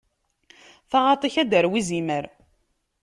Taɣaṭ-ik ad d-tarew izimer.